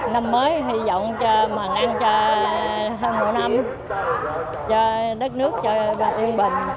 năm mới hy vọng mừng ăn cho hơn một năm